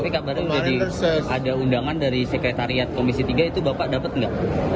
tapi kabarnya ada undangan dari sekretariat komisi tiga itu bapak dapat nggak